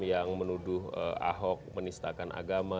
yang menuduh ahok menistakan agama